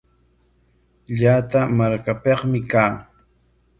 Llata markapikmi kaa.